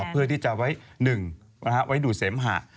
เพื่อที่จะไว้๑ไว้ดูดเสมหะ